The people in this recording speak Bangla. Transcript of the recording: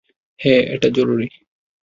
হ্যাঁ, এটা জরুরি।